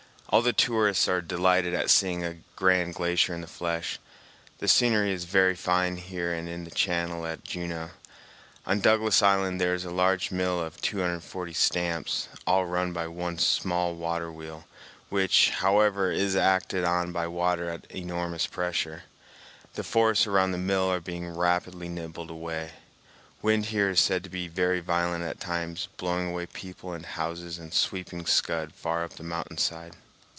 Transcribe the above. All the tourists are delighted at seeing a grand glacier in the flesh. The scenery is very fine here and in the channel at Juneau. On Douglas Island there is a large mill of 240 stamps, all run by one small water wheel, which, however, is acted on by water at enormous pressure. The forests around the mill are being rapidly nibbled away. Wind is here said to be very violent at times, blowing away people and houses and sweeping scud far up the mountain side.